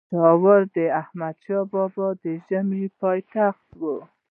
پيښور د احمدشاه بابا د ژمي پايتخت وو